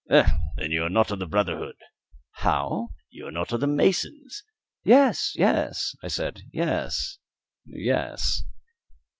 "Then you are not of the brotherhood." "How?" "You are not of the masons." "Yes, yes," I said; "yes, yes."